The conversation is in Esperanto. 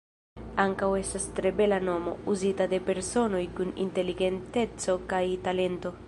Ankaŭ estas tre bela nomo, uzita de personoj kun inteligenteco kaj talento.